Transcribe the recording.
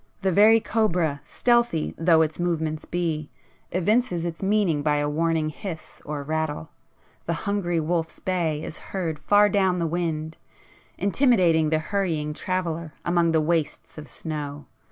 The very cobra, stealthy though its movements be, evinces its meaning by a warning hiss or rattle. The hungry wolf's bay is heard far down the wind, intimidating the hurrying traveller among the wastes of snow.